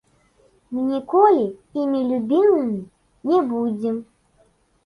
Мы ніколі імі любімымі не будзем.